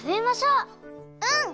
うん！